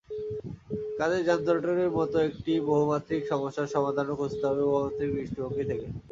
কাজেই যানজটের মতো একটি বহুমাত্রিক সমস্যার সমাধানও খুঁজতে হবে বহুমাত্রিক দৃষ্টিভঙ্গি থেকে।